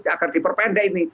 agar diperpendek ini